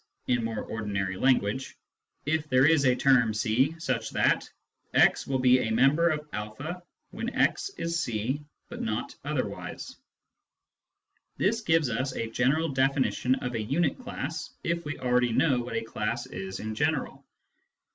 in more ordinary language, if there is a term c such that x will be a member of a when x is c but not otherwise. This gives us a definition of a unit class if we already know what a class is in general.